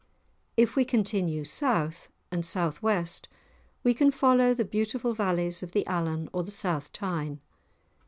If we continue south and south west we can follow the beautiful valleys of the Allan or the South Tyne.